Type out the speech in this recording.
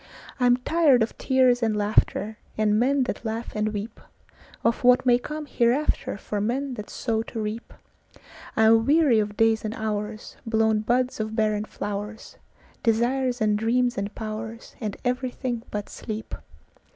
I am tired of tears and laughter, And men that laugh and weepOf what may come hereafterFor men that sow to reap:I am weary of days and hours, Blown buds of barren flowers, Desires and dreams and powersAnd everything but sleep.